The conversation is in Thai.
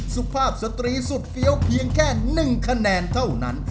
สุภาพสตรีสุดเฟี้ยวเพียงแค่๑คะแนนเท่านั้น